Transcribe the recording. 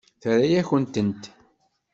Terra-yakent-tent.